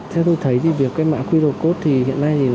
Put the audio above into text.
theo tôi thấy thì việc cái mã qr code thì hiện nay